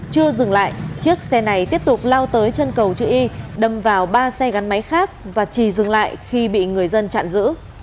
chưa dừng lại chiếc xe này tiếp tục lao tới chân cầu chữ y đâm vào ba xe gắn máy khác và chỉ dừng lại khi bị người dân chặn giữ